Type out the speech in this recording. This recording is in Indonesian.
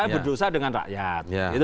berdosa dengan rakyat